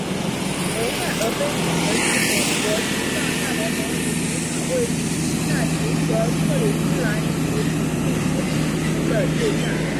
俄亥俄杯指的是美国职棒大联盟里主场位于辛辛那提和克里夫兰球队间的对战。